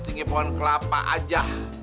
tinggi pohon kelapa aja